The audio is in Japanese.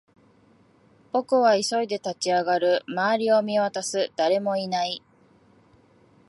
僕は急いで立ち上がる、辺りを見回す、誰もいない